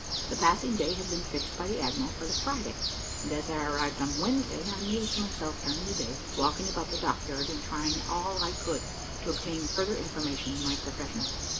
The passing day had been fixed by the admiral for the Friday, and as I arrived on Wednesday, I amused myself during the day, walking about the dock yard, and trying all I could to obtain further information in my profession.